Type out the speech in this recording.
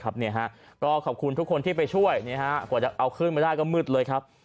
ก็ขอบคุณทุกคนที่ไปช่วยกว่าจะเอาขึ้นมาได้ก็มืดเลยครับ